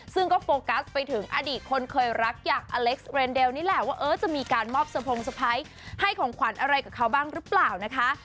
ซึ่งก็โฟกัสไปถึงอดีตคนเคยรักอย่างอเล็กซ์เรนเดลนี่แหละว่าเออจะมีการมอบสะพงสะพ้ายให้ของขวัญอะไรกับเขาบ้างหรือเปล่านะคะ